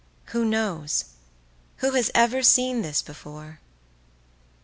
Who knows? Who has ever seen this before?